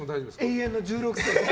永遠の１６歳です。